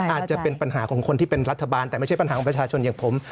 อาจจะเป็นปัญหาของคนที่เป็นรัฐบาลแต่ไม่ใช่ปัญหาของประชาชนอย่างผม